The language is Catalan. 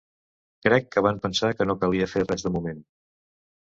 Crec que van pensar que no calia fer res de moment.